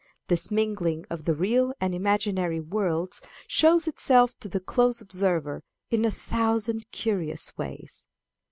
This mingling of the real and imaginary worlds shows itself to the close observer in a thousand curious ways.